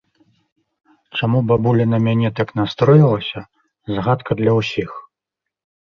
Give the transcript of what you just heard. Чаму бабуля на мяне так настроілася, загадка для ўсіх.